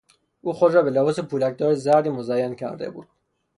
او خود را به لباس پولکدار زردی مزین کرده بود.